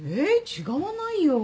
違わないよ。